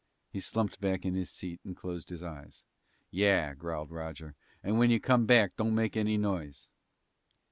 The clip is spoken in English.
He slumped back in his seat and closed his eyes. "Yeah," growled Roger, "and when you come back, don't make any noise!"